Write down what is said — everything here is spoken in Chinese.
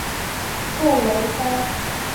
库隆塞。